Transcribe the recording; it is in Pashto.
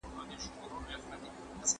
د زمانې بحر چي ډوبه کړي بیړۍ د عمر